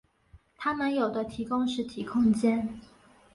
它们有的提供实体空间。